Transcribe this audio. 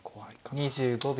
２５秒。